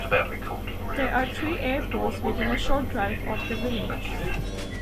There are three airports within a short drive of the village.